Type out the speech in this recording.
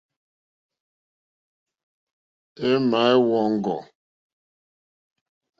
Èŋmáá wɔ̀ŋɡɔ́.